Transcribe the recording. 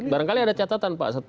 barangkali ada catatan pak